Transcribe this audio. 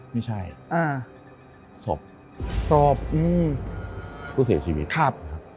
ไม่ใช่อ่าศพศพผู้เสียชีวิตครับ